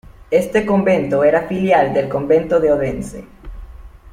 Este convento era filial del convento de Odense.